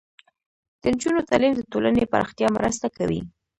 د نجونو تعلیم د ټولنې پراختیا مرسته کوي.